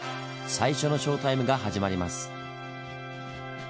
最初のショータイムが始まります。